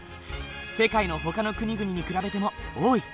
世界のほかの国々に比べても多い。